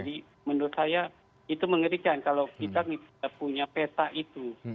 jadi menurut saya itu mengerikan kalau kita punya peta itu